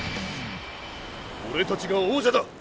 オレたちが王者だ！